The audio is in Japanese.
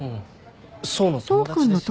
想の友達ですよね？